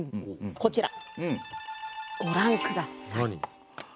こちらご覧下さい。